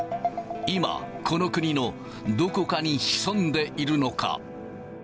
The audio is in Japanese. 今、この国のどこかに潜んでいるのか。